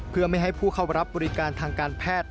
เพื่อไม่ให้ผู้เข้ารับบริการทางการแพทย์